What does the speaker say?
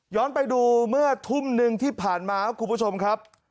ไปดูเมื่อทุ่มหนึ่งที่ผ่านมาครับคุณผู้ชมครับ